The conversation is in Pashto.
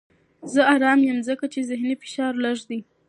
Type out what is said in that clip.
زه ارام یم ځکه چې ذهني فشار لږ دی.